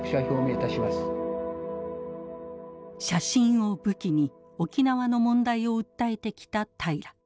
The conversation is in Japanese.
写真を武器に沖縄の問題を訴えてきた平良。